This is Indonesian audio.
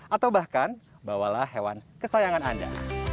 atau bahkan bawalah hewan kesayangan anda